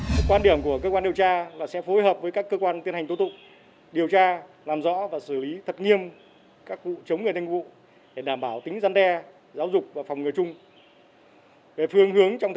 quan điểm của cơ quan điều tra là sẽ phối hợp với các cơ quan tiến hành tố tụng điều tra làm rõ và xử lý thật nghiêm các vụ chống người thanh vụ để đảm bảo tính dân đe giáo dục và phòng ngừa chung